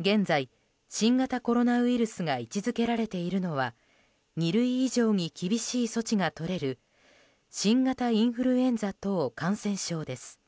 現在、新型コロナウイルスが位置づけられているのは二類以上に厳しい措置がとれる新型インフルエンザ等感染症です。